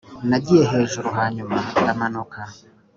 nagiye hejuru hanyuma ndamanuka,